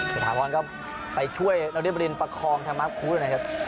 สถานบอลก็ไปช่วยนักเรียนประคอมทางมักครูด้วยนะครับ